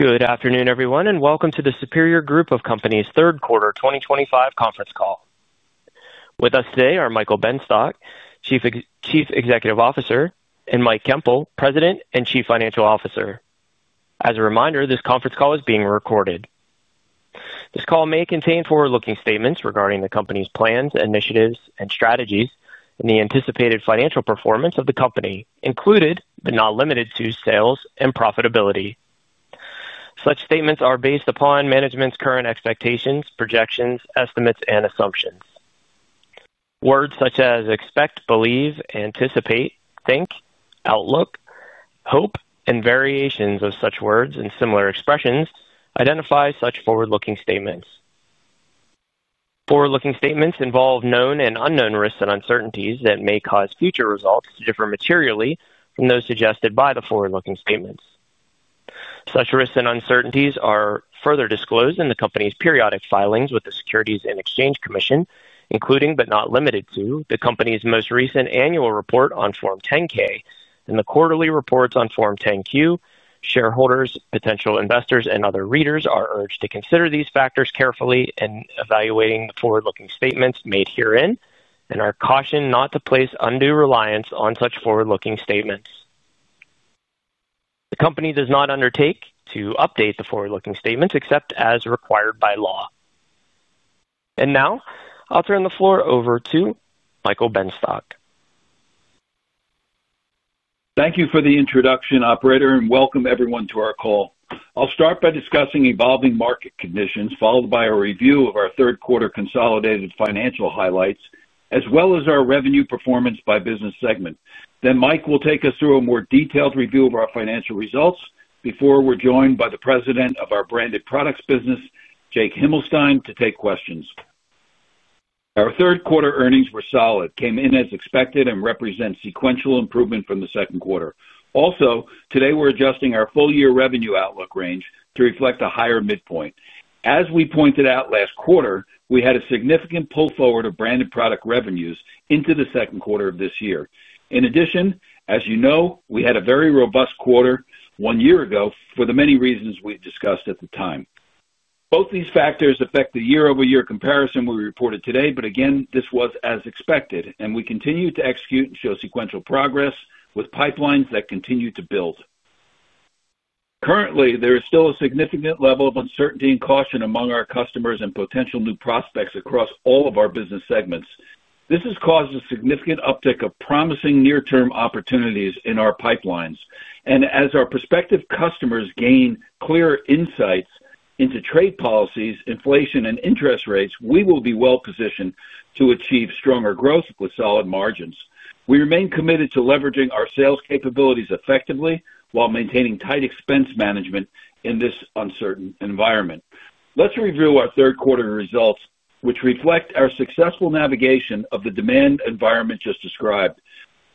Good afternoon, everyone, and welcome to the Superior Group of Companies Third Quarter 2025 Conference Call. With us today are Michael Benstock, Chief Executive Officer, and Mike Koempel, President and Chief Financial Officer. As a reminder, this conference call is being recorded. This call may contain forward-looking statements regarding the company's plans, initiatives, and strategies, and the anticipated financial performance of the company, included, but not limited to, sales and profitability. Such statements are based upon management's current expectations, projections, estimates, and assumptions. Words such as expect, believe, anticipate, think, outlook, hope, and variations of such words and similar expressions identify such forward-looking statements. Forward-looking statements involve known and unknown risks and uncertainties that may cause future results to differ materially from those suggested by the forward-looking statements. Such risks and uncertainties are further disclosed in the company's periodic filings with the Securities and Exchange Commission, including, but not limited to, the company's most recent annual report on Form 10-K and the quarterly reports on Form 10-Q. Shareholders, potential investors, and other readers are urged to consider these factors carefully in evaluating the forward-looking statements made herein, and are cautioned not to place undue reliance on such forward-looking statements. The company does not undertake to update the forward-looking statements except as required by law. I will now turn the floor over to Michael Benstock. Thank you for the introduction, operator, and welcome everyone to our call. I'll start by discussing evolving market conditions, followed by a review of our third quarter consolidated financial highlights, as well as our revenue performance by business segment. Then Mike will take us through a more detailed review of our financial results before we're joined by the President of our Branded Products business, Jake Himelstein, to take questions. Our third quarter earnings were solid, came in as expected, and represent sequential improvement from the second quarter. Also, today we're adjusting our full-year revenue outlook range to reflect a higher midpoint. As we pointed out last quarter, we had a significant pull forward of branded product revenues into the second quarter of this year. In addition, as you know, we had a very robust quarter one year ago for the many reasons we discussed at the time. Both these factors affect the year-over-year comparison we reported today, but again, this was as expected, and we continue to execute and show sequential progress with pipelines that continue to build. Currently, there is still a significant level of uncertainty and caution among our customers and potential new prospects across all of our business segments. This has caused a significant uptick of promising near-term opportunities in our pipelines. As our prospective customers gain clearer insights into trade policies, inflation, and interest rates, we will be well positioned to achieve stronger growth with solid margins. We remain committed to leveraging our sales capabilities effectively while maintaining tight expense management in this uncertain environment. Let's review our third quarter results, which reflect our successful navigation of the demand environment just described.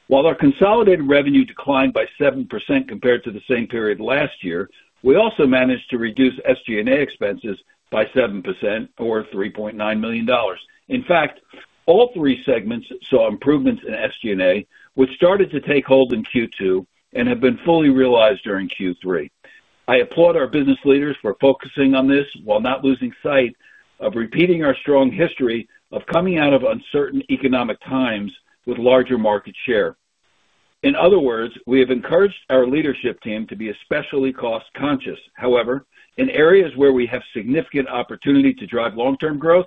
While our consolidated revenue declined by 7% compared to the same period last year, we also managed to reduce SG&A expenses by 7%, or $3.9 million. In fact, all three segments saw improvements in SG&A, which started to take hold in Q2 and have been fully realized during Q3. I applaud our business leaders for focusing on this while not losing sight of repeating our strong history of coming out of uncertain economic times with larger market share. In other words, we have encouraged our leadership team to be especially cost-conscious. However, in areas where we have significant opportunity to drive long-term growth,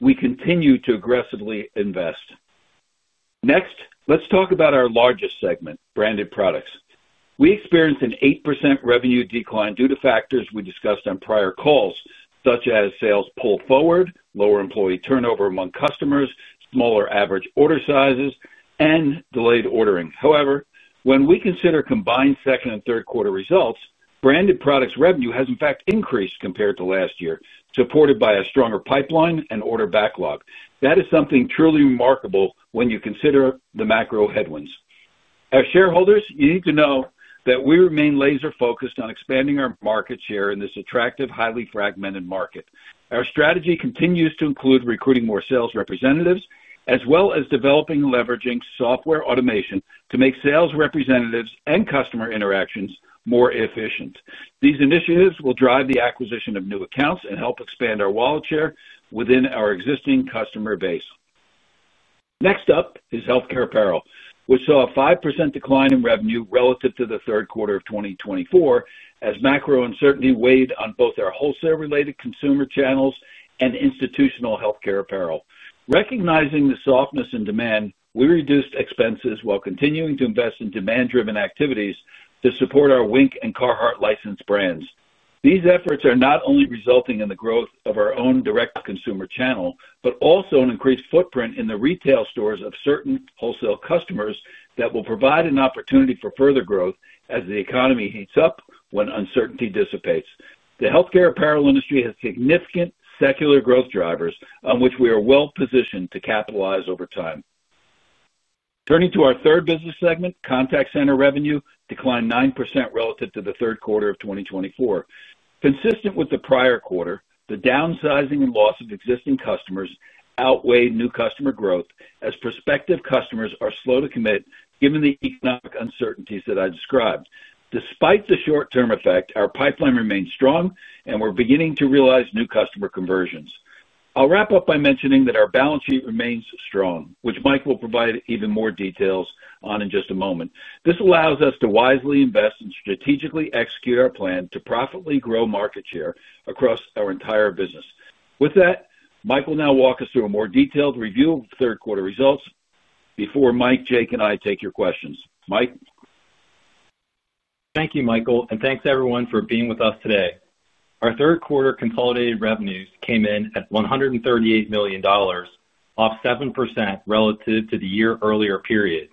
we continue to aggressively invest. Next, let's talk about our largest segment, Branded Products. We experienced an 8% revenue decline due to factors we discussed on prior calls, such as sales pull forward, lower employee turnover among customers, smaller average order sizes, and delayed ordering. However, when we consider combined second and third quarter results, Branded Products' revenue has, in fact, increased compared to last year, supported by a stronger pipeline and order backlog. That is something truly remarkable when you consider the macro headwinds. As shareholders, you need to know that we remain laser-focused on expanding our market share in this attractive, highly fragmented market. Our strategy continues to include recruiting more sales representatives, as well as developing and leveraging software automation to make sales representatives and customer interactions more efficient. These initiatives will drive the acquisition of new accounts and help expand our wallet share within our existing customer base. Next up is Healthcare Apparel, which saw a 5% decline in revenue relative to the third quarter of 2024, as macro uncertainty weighed on both our wholesale-related consumer channels and institutional Healthcare Apparel. Recognizing the softness in demand, we reduced expenses while continuing to invest in demand-driven activities to support our Wink and Carhartt licensed brands. These efforts are not only resulting in the growth of our own direct-to-consumer channel, but also an increased footprint in the retail stores of certain wholesale customers that will provide an opportunity for further growth as the economy heats up when uncertainty dissipates. The Healthcare Apparel industry has significant secular growth drivers, on which we are well positioned to capitalize over time. Turning to our third business segment, Contact center revenue declined 9% relative to the third quarter of 2024. Consistent with the prior quarter, the downsizing and loss of existing customers outweigh new customer growth, as prospective customers are slow to commit, given the economic uncertainties that I described. Despite the short-term effect, our pipeline remains strong, and we're beginning to realize new customer conversions. I'll wrap up by mentioning that our balance sheet remains strong, which Mike will provide even more details on in just a moment. This allows us to wisely invest and strategically execute our plan to profitably grow market share across our entire business. With that, Mike will now walk us through a more detailed review of the third quarter results before Mike, Jake, and I take your questions. Mike. Thank you, Michael, and thanks everyone for being with us today. Our third quarter consolidated revenues came in at $138 million, off 7% relative to the year earlier period.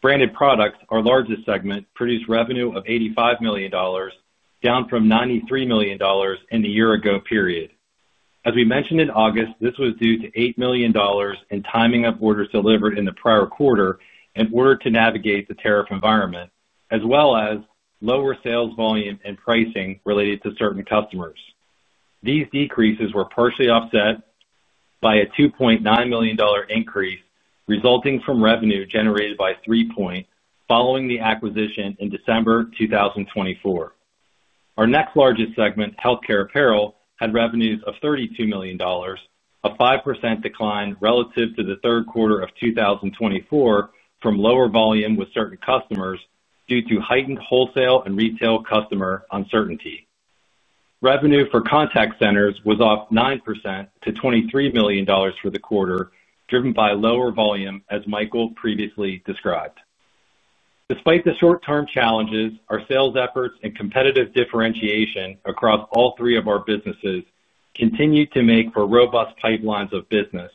Branded Products, our largest segment, produced revenue of $85 million, down from $93 million in the year-ago period. As we mentioned in August, this was due to $8 million in timing of orders delivered in the prior quarter in order to navigate the tariff environment, as well as lower sales volume and pricing related to certain customers. These decreases were partially offset by a $2.9 million increase resulting from revenue generated by 3 Point following the acquisition in December 2024. Our next largest segment, Healthcare Apparel, had revenues of $32 million, a 5% decline relative to the third quarter of 2024 from lower volume with certain customers due to heightened wholesale and retail customer uncertainty. Revenue for Contact Centers was off 9% to $23 million for the quarter, driven by lower volume, as Michael previously described. Despite the short-term challenges, our sales efforts and competitive differentiation across all three of our businesses continue to make for robust pipelines of business,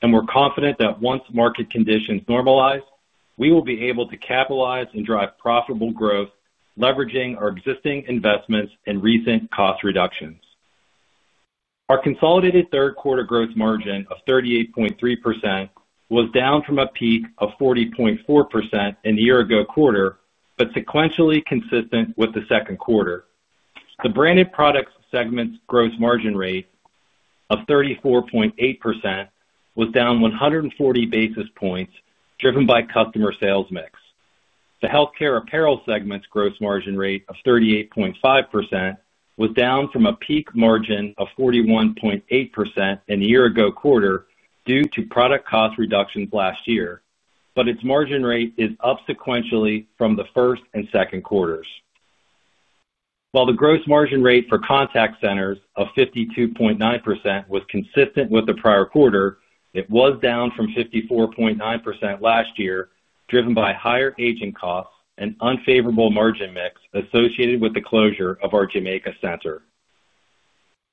and we're confident that once market conditions normalize, we will be able to capitalize and drive profitable growth, leveraging our existing investments and recent cost reductions. Our consolidated third quarter gross margin of 38.3% was down from a peak of 40.4% in the year-ago quarter, but sequentially consistent with the second quarter. The Branded Products segment's gross margin rate of 34.8% was down 140 basis points, driven by customer sales mix. The Healthcare Apparel segment's gross margin rate of 38.5% was down from a peak margin of 41.8% in the year-ago quarter due to product cost reductions last year, but its margin rate is up sequentially from the first and second quarters. While the gross margin rate for Contact Centers of 52.9% was consistent with the prior quarter, it was down from 54.9% last year, driven by higher agent costs and unfavorable margin mix associated with the closure of our Jamaica center.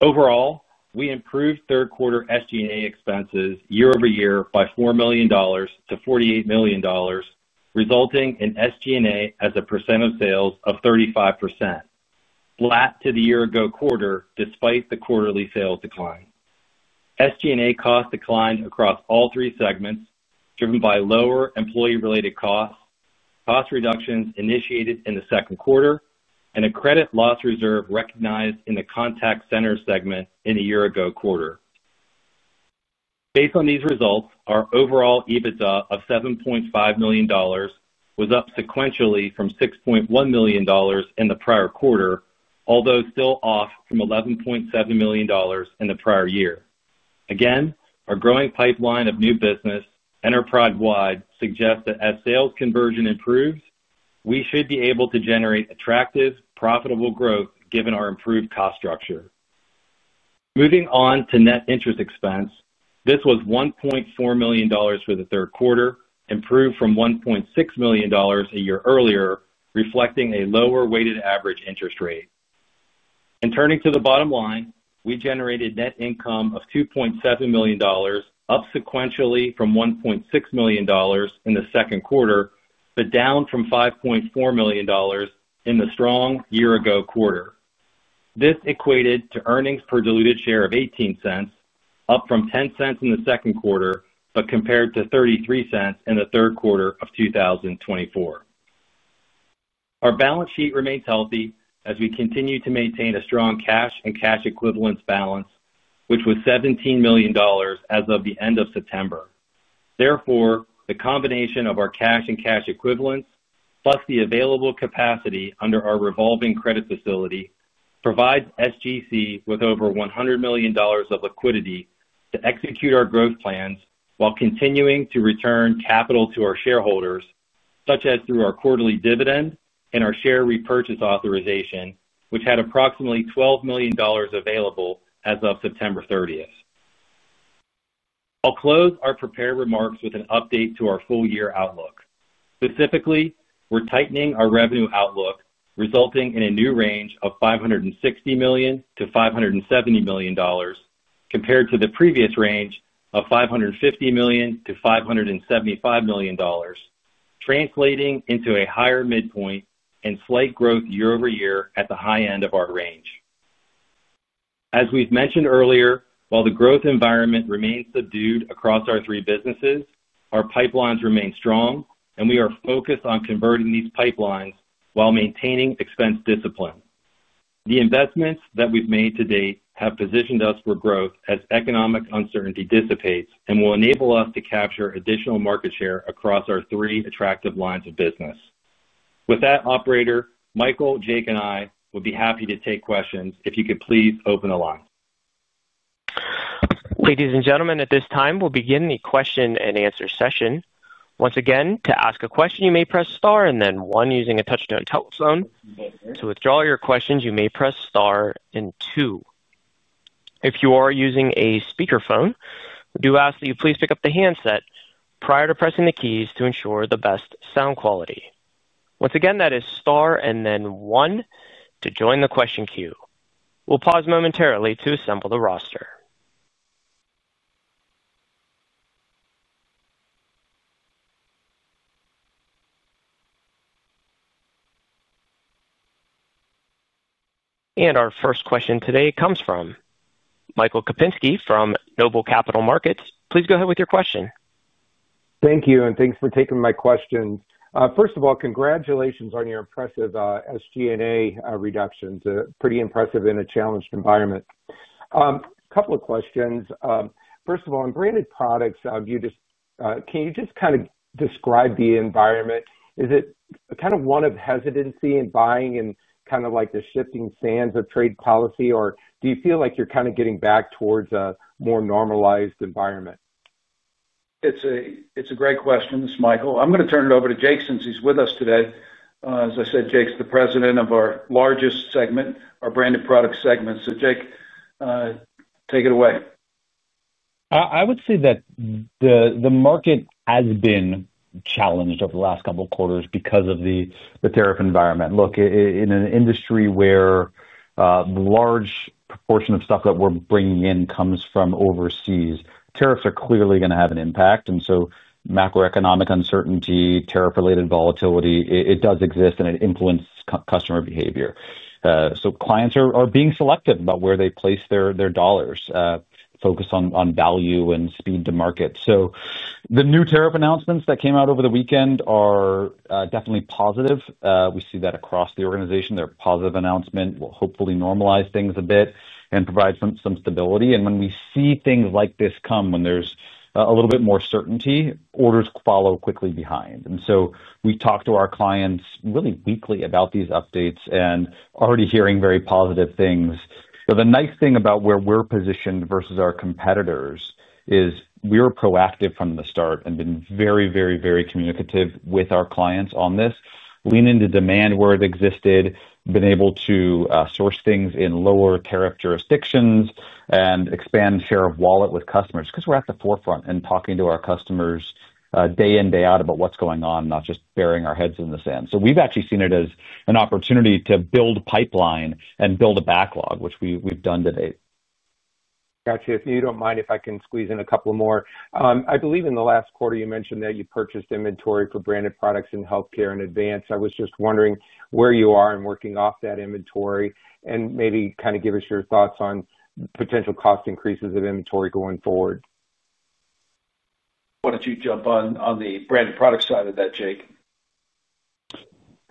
Overall, we improved third quarter SG&A expenses year-over-year by $4 million to $48 million, resulting in SG&A as a percent of sales of 35%, flat to the year-ago quarter, despite the quarterly sales decline. SG&A cost declined across all three segments, driven by lower employee-related costs, cost reductions initiated in the second quarter, and a credit loss reserve recognized in the contact center segment in the year-ago quarter. Based on these results, our overall EBITDA of $7.5 million was up sequentially from $6.1 million in the prior quarter, although still off from $11.7 million in the prior year. Again, our growing pipeline of new business enterprise-wide suggests that as sales conversion improves, we should be able to generate attractive, profitable growth given our improved cost structure. Moving on to net interest expense, this was $1.4 million for the third quarter, improved from $1.6 million a year earlier, reflecting a lower weighted average interest rate. Turning to the bottom line, we generated net income of $2.7 million, up sequentially from $1.6 million in the second quarter, but down from $5.4 million in the strong year-ago quarter. This equated to earnings per diluted share of $0.18, up from $0.10 in the second quarter, but compared to $0.33 in the third quarter of 2024. Our balance sheet remains healthy as we continue to maintain a strong cash and cash equivalents balance, which was $17 million as of the end of September. Therefore, the combination of our cash and cash equivalents, plus the available capacity under our revolving credit facility, provides SGC with over $100 million of liquidity to execute our growth plans while continuing to return capital to our shareholders, such as through our quarterly dividend and our share repurchase authorization, which had approximately $12 million available as of September 30. I'll close our prepared remarks with an update to our full-year outlook. Specifically, we're tightening our revenue outlook, resulting in a new range of $560 million-$570 million, compared to the previous range of $550 million-$575 million, translating into a higher midpoint and slight growth year-over-year at the high end of our range. As we've mentioned earlier, while the growth environment remains subdued across our three businesses, our pipelines remain strong, and we are focused on converting these pipelines while maintaining expense discipline. The investments that we've made to date have positioned us for growth as economic uncertainty dissipates and will enable us to capture additional market share across our three attractive lines of business. With that, operator, Michael, Jake, and I would be happy to take questions if you could please open the line. Ladies and gentlemen, at this time, we'll begin the question-and-answer session. Once again, to ask a question, you may press star and then one using a touch-tone telephone. To withdraw your questions, you may press star and two. If you are using a speakerphone, we do ask that you please pick up the handset prior to pressing the keys to ensure the best sound quality. Once again, that is star and then one to join the question queue. We'll pause momentarily to assemble the roster. Our first question today comes from Michael Kupinski from NOBLE Capital Markets. Please go ahead with your question. Thank you, and thanks for taking my questions. First of all, congratulations on your impressive SG&A reductions, pretty impressive in a challenged environment. A couple of questions. First of all, on Branded Products, can you just kind of describe the environment? Is it kind of one of hesitancy in buying and kind of like the shifting sands of trade policy, or do you feel like you're kind of getting back towards a more normalized environment? It's a great question, this is Michael. I'm going to turn it over to Jake since he's with us today. As I said, Jake's the President of our largest segment, our Branded Products segment. So, Jake. Take it away. I would say that. The market has been challenged over the last couple of quarters because of the tariff environment. Look, in an industry where a large proportion of stuff that we're bringing in comes from overseas, tariffs are clearly going to have an impact. Macroeconomic uncertainty, tariff-related volatility, it does exist, and it influences customer behavior. Clients are being selective about where they place their dollars, focus on value and speed to market. The new tariff announcements that came out over the weekend are definitely positive. We see that across the organization. They're a positive announcement. Hopefully, they'll normalize things a bit and provide some stability. When we see things like this come, when there's a little bit more certainty, orders follow quickly behind. We talk to our clients really weekly about these updates and are already hearing very positive things. The nice thing about where we're positioned versus our competitors is we were proactive from the start and have been very, very, very communicative with our clients on this, leaning to demand where it existed, been able to source things in lower tariff jurisdictions, and expand share of wallet with customers because we're at the forefront in talking to our customers day in, day out about what's going on, not just burying our heads in the sand. We've actually seen it as an opportunity to build a pipeline and build a backlog, which we've done to date. Gotcha. If you don't mind, if I can squeeze in a couple more. I believe in the last quarter, you mentioned that you purchased inventory for Branded Products in healthcare in advance. I was just wondering where you are in working off that inventory and maybe kind of give us your thoughts on potential cost increases of inventory going forward. Why don't you jump on the branded product side of that, Jake?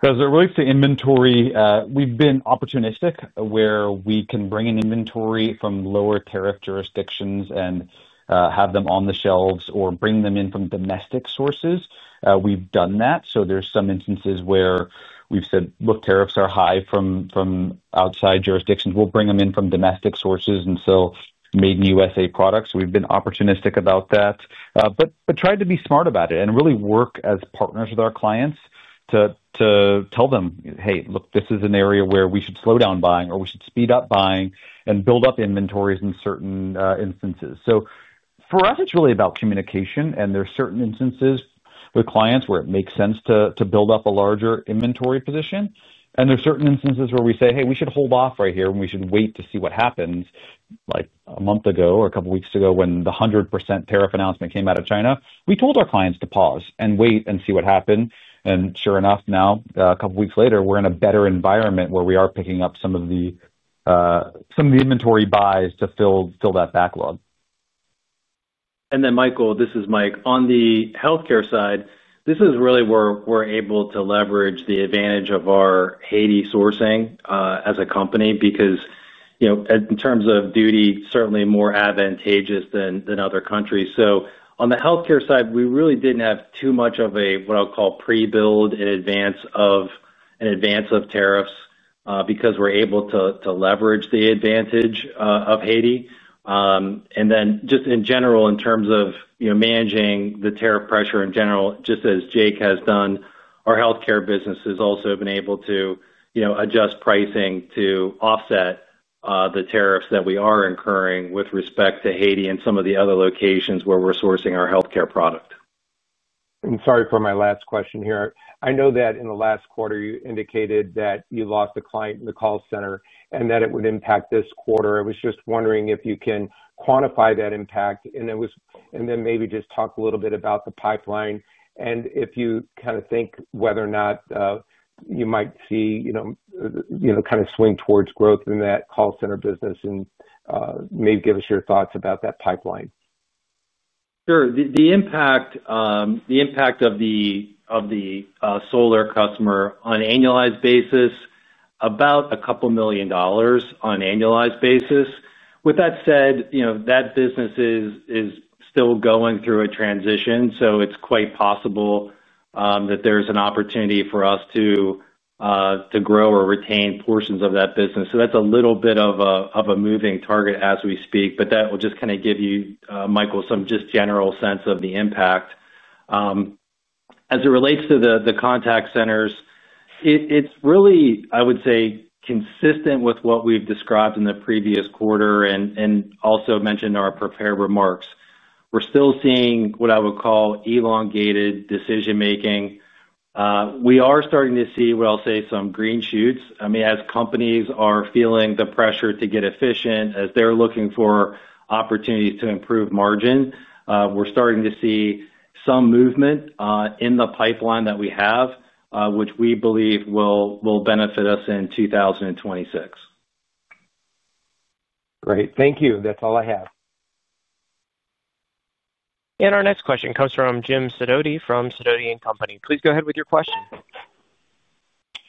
As it relates to inventory, we've been opportunistic where we can bring in inventory from lower tariff jurisdictions and have them on the shelves or bring them in from domestic sources. We've done that. There are some instances where we've said, "Look, tariffs are high from outside jurisdictions. We'll bring them in from domestic sources," and so made in USA products. We've been opportunistic about that, but tried to be smart about it and really work as partners with our clients to tell them, "Hey, look, this is an area where we should slow down buying or we should speed up buying and build up inventories in certain instances." For us, it's really about communication. There are certain instances with clients where it makes sense to build up a larger inventory position. There are certain instances where we say, "Hey, we should hold off right here, and we should wait to see what happens." Like a month ago or a couple of weeks ago when the 100% tariff announcement came out of China, we told our clients to pause and wait and see what happened. Sure enough, now, a couple of weeks later, we're in a better environment where we are picking up some of the inventory buys to fill that backlog. Then, Michael, this is Mike. On the healthcare side, this is really where we're able to leverage the advantage of our Haiti sourcing as a company because, in terms of duty, certainly more advantageous than other countries. On the healthcare side, we really did not have too much of a, what I'll call, pre-build in advance of tariffs because we're able to leverage the advantage of Haiti. In general, in terms of managing the tariff pressure in general, just as Jake has done, our healthcare business has also been able to adjust pricing to offset the tariffs that we are incurring with respect to Haiti and some of the other locations where we're sourcing our healthcare product. Sorry for my last question here. I know that in the last quarter, you indicated that you lost a client in the call center and that it would impact this quarter. I was just wondering if you can quantify that impact and then maybe just talk a little bit about the pipeline and if you kind of think whether or not you might see kind of swing towards growth in that call center business and maybe give us your thoughts about that pipeline. Sure. The impact of the solar customer on an annualized basis is about a couple of million dollars on an annualized basis. With that said, that business is still going through a transition, so it's quite possible that there's an opportunity for us to grow or retain portions of that business. That's a little bit of a moving target as we speak, but that will just kind of give you, Michael, some just general sense of the impact. As it relates to the Contact Centers, it's really, I would say, consistent with what we've described in the previous quarter and also mentioned in our prepared remarks. We're still seeing what I would call elongated decision-making. We are starting to see, what I'll say, some green shoots. I mean, as companies are feeling the pressure to get efficient, as they're looking for opportunities to improve margin, we're starting to see some movement in the pipeline that we have, which we believe will benefit us in 2026. Great. Thank you. That's all I have. Our next question comes from Jim Sidoti from Sidoti & Company. Please go ahead with your question.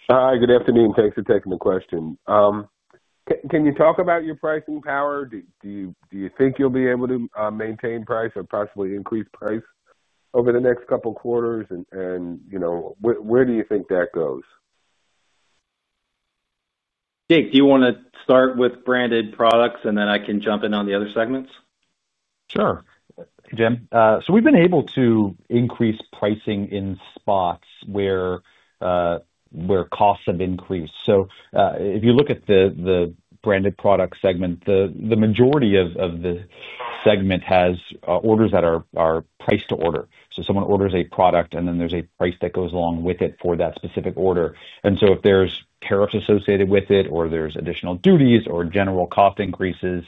Hi, good afternoon. Thanks for taking the question. Can you talk about your pricing power? Do you think you'll be able to maintain price or possibly increase price over the next couple of quarters? Where do you think that goes? Jake, do you want to start with Branded Products, and then I can jump in on the other segments? Sure. Jim. We have been able to increase pricing in spots where costs have increased. If you look at the branded product segment, the majority of the segment has orders that are price-to-order. Someone orders a product, and then there is a price that goes along with it for that specific order. If there are tariffs associated with it or there are additional duties or general cost increases,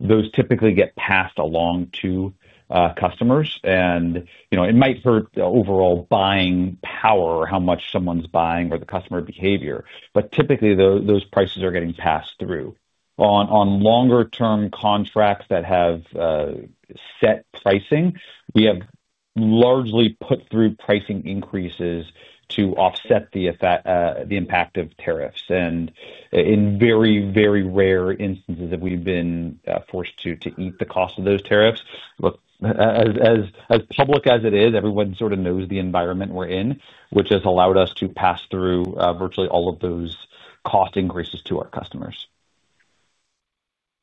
those typically get passed along to customers. It might hurt the overall buying power or how much someone is buying or the customer behavior. Typically, those prices are getting passed through. On longer-term contracts that have set pricing, we have largely put through pricing increases to offset the impact of tariffs. In very, very rare instances, we have been forced to eat the cost of those tariffs. Look, as public as it is, everyone sort of knows the environment we are in, which has allowed us to pass through virtually all of those cost increases to our customers.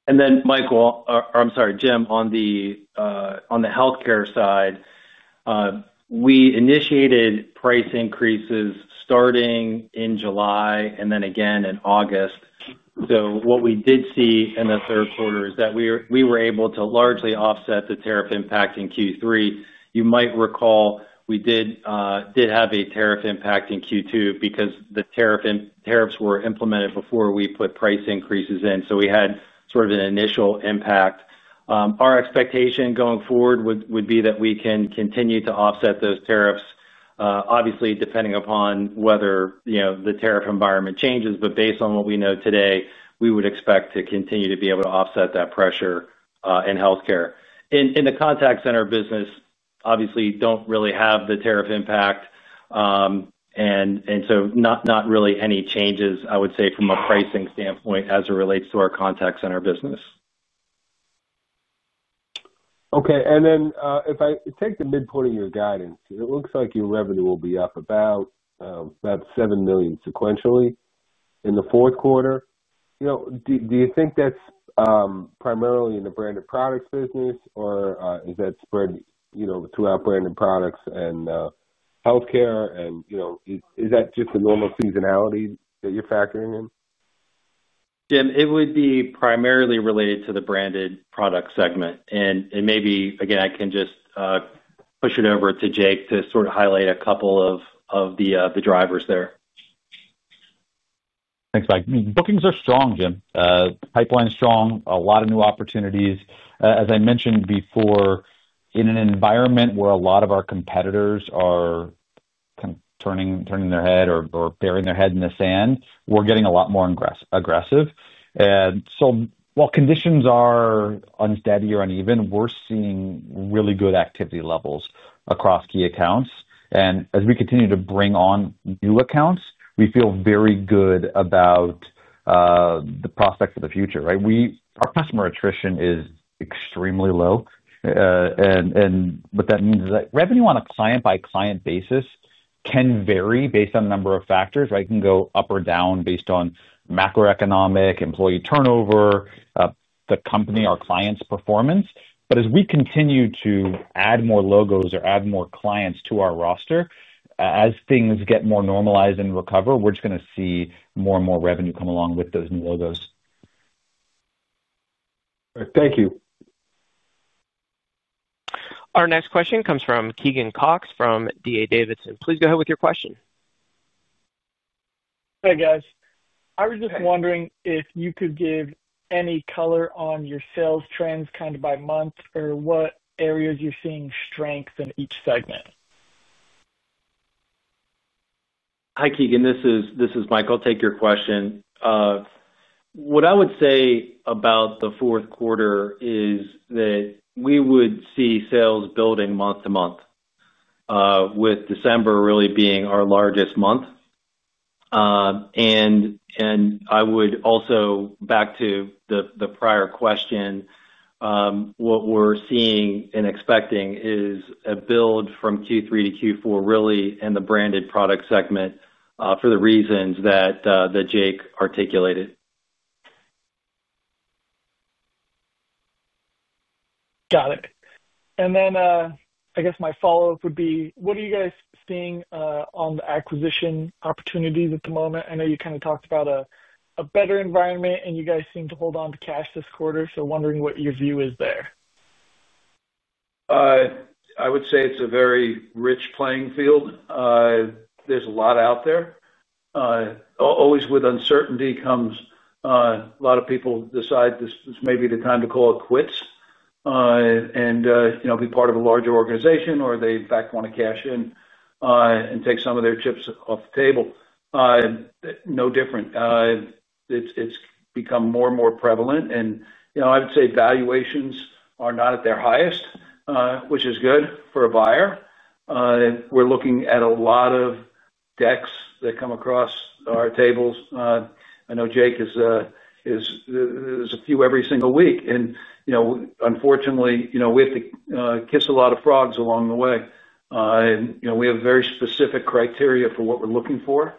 Michael, or I'm sorry, Jim, on the healthcare side. We initiated price increases starting in July and then again in August. What we did see in the third quarter is that we were able to largely offset the tariff impact in Q3. You might recall we did have a tariff impact in Q2 because the tariffs were implemented before we put price increases in. We had sort of an initial impact. Our expectation going forward would be that we can continue to offset those tariffs, obviously depending upon whether the tariff environment changes. Based on what we know today, we would expect to continue to be able to offset that pressure in healthcare. In the contact center business, obviously, we do not really have the tariff impact. Not really any changes, I would say, from a pricing standpoint as it relates to our contact center business. Okay. If I take the mid-point of your guidance, it looks like your revenue will be up about $7 million sequentially in the fourth quarter. Do you think that's primarily in the Branded Products business, or is that spread throughout Branded Products and healthcare? Is that just a normal seasonality that you're factoring in? Jim, it would be primarily related to the Branded Products segment. Maybe, again, I can just push it over to Jake to sort of highlight a couple of the drivers there. Thanks, Mike. Bookings are strong, Jim. Pipeline is strong. A lot of new opportunities. As I mentioned before, in an environment where a lot of our competitors are kind of turning their head or burying their head in the sand, we're getting a lot more aggressive. While conditions are unsteady or uneven, we're seeing really good activity levels across key accounts. As we continue to bring on new accounts, we feel very good about the prospects for the future, right? Our customer attrition is extremely low. That means that revenue on a client-by-client basis can vary based on a number of factors, right? It can go up or down based on macroeconomic, employee turnover, the company, our clients' performance. As we continue to add more logos or add more clients to our roster, as things get more normalized and recover, we're just going to see more and more revenue come along with those new logos. Thank you. Our next question comes from Keegan Cox from D.A. Davidson. Please go ahead with your question. Hey, guys. I was just wondering if you could give any color on your sales trends kind of by month or what areas you're seeing strength in each segment. Hi, Keegan. This is Mike. I'll take your question. What I would say about the fourth quarter is that we would see sales building month-to-month, with December really being our largest month. I would also, back to the prior question, what we're seeing and expecting is a build from Q3 to Q4 really in the branded product segment for the reasons that Jake articulated. Got it. I guess my follow-up would be, what are you guys seeing on the acquisition opportunities at the moment? I know you kind of talked about a better environment, and you guys seem to hold on to cash this quarter. Wondering what your view is there. I would say it's a very rich playing field. There's a lot out there. Always with uncertainty comes a lot of people decide this is maybe the time to call it quits and be part of a larger organization or they, in fact, want to cash in and take some of their chips off the table. No different. It's become more and more prevalent. I would say valuations are not at their highest, which is good for a buyer. We're looking at a lot of decks that come across our tables. I know Jake sees a few every single week. Unfortunately, we have to kiss a lot of frogs along the way. We have very specific criteria for what we're looking for,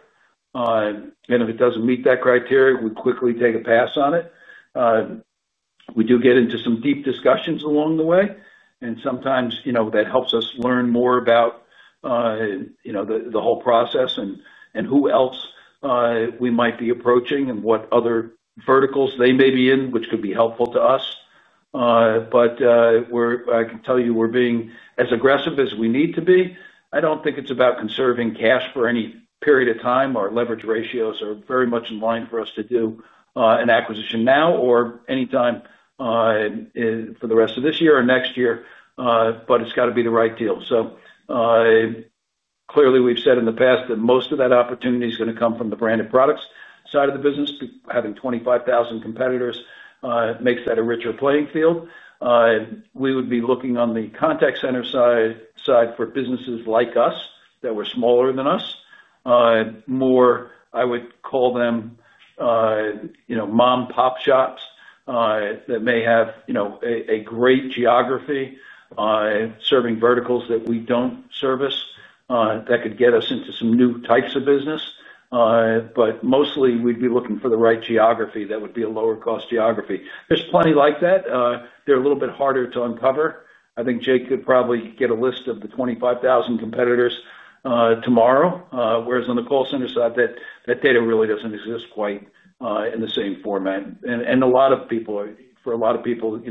and if it doesn't meet that criteria, we quickly take a pass on it. We do get into some deep discussions along the way, and sometimes that helps us learn more about the whole process and who else we might be approaching and what other verticals they may be in, which could be helpful to us. I can tell you we're being as aggressive as we need to be. I don't think it's about conserving cash for any period of time. Our leverage ratios are very much in line for us to do an acquisition now or anytime for the rest of this year or next year. It's got to be the right deal. Clearly, we've said in the past that most of that opportunity is going to come from the Branded Products side of the business. Having 25,000 competitors makes that a richer playing field. We would be looking on the contact center side for businesses like us that were smaller than us. More, I would call them mom pop shops that may have a great geography, serving verticals that we don't service, that could get us into some new types of business. Mostly, we'd be looking for the right geography that would be a lower-cost geography. There's plenty like that. They're a little bit harder to uncover. I think Jake could probably get a list of the 25,000 competitors tomorrow, whereas on the call center side, that data really doesn't exist quite in the same format. For a lot of people,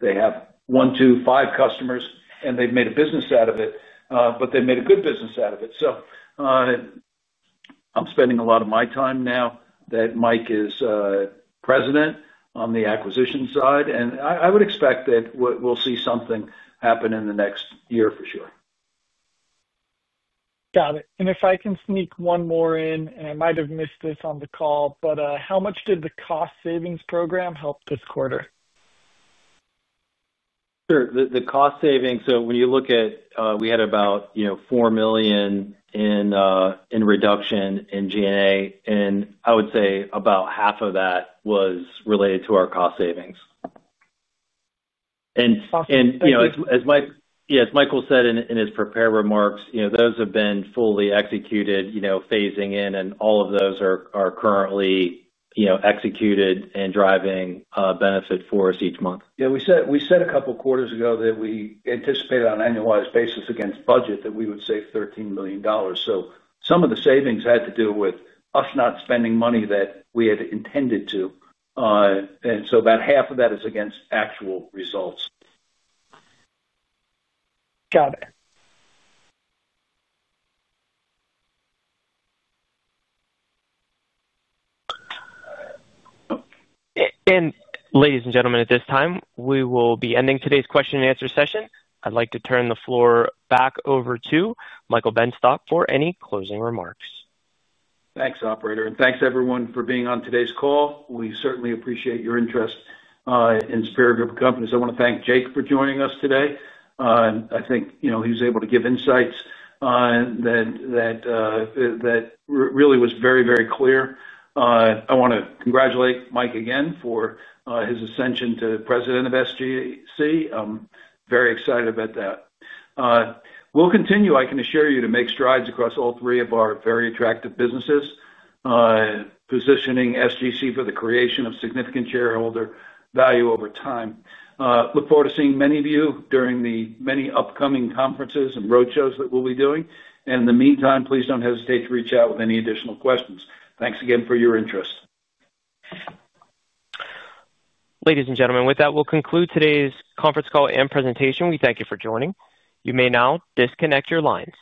they have one, two, five customers, and they've made a business out of it, but they've made a good business out of it. I'm spending a lot of my time now that Mike is President on the acquisition side, and I would expect that we'll see something happen in the next year for sure. Got it. If I can sneak one more in, I might have missed this on the call, but how much did the cost savings program help this quarter? Sure. The cost savings, so when you look at, we had about $4 million in reduction in G&A. I would say about half of that was related to our cost savings. As Michael said in his prepared remarks, those have been fully executed, phasing in, and all of those are currently executed and driving benefit for us each month. Yeah. We said a couple of quarters ago that we anticipated on an annualized basis against budget that we would save $13 million. Some of the savings had to do with us not spending money that we had intended to. About half of that is against actual results. Got it. Ladies and gentlemen, at this time, we will be ending today's question-and-answer session. I'd like to turn the floor back over to Michael Benstock for any closing remarks. Thanks, operator. Thanks, everyone, for being on today's call. We certainly appreciate your interest in Superior Group of Companies. I want to thank Jake for joining us today. I think he was able to give insights that really were very, very clear. I want to congratulate Mike again for his ascension to President of SGC. I'm very excited about that. We'll continue, I can assure you, to make strides across all three of our very attractive businesses, positioning SGC for the creation of significant shareholder value over time. I look forward to seeing many of you during the many upcoming conferences and roadshows that we'll be doing. In the meantime, please don't hesitate to reach out with any additional questions. Thanks again for your interest. Ladies and gentlemen, with that, we'll conclude today's conference call and presentation. We thank you for joining. You may now disconnect your lines.